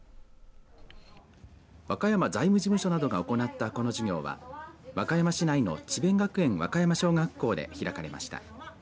和歌山財務事務所などが行ったこの授業は和歌山市内の智辯学園和歌山小学校で開かれました。